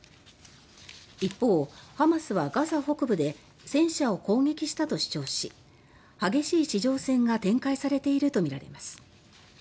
一方、ハマスはガザ北部で戦車を攻撃したと主張し激しい地上戦が展開されているとみられます。